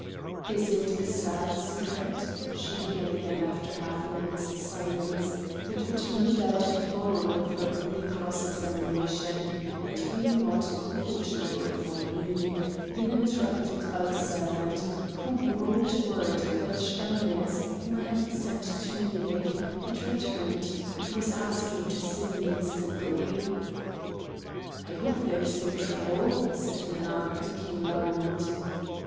"Is it a sad secret?" she began again after half a minute's silence, and would no doubt have gone on with her pretty cross examination had we not, fortunately for me, been interrupted by a servant, who brought word that Steinitz, whom I had sent to Munich, had returned, and was asking to see me instantly. "I hope there is no trouble?" said Minna, looking alarmed.